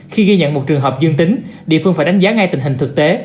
khi ghi nhận một trường hợp dương tính địa phương phải đánh giá ngay tình hình thực tế